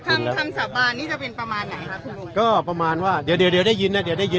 คุณลุงก็ประมาณว่าเดี๋ยวเดี๋ยวได้ยินน่ะเดี๋ยวได้ยิน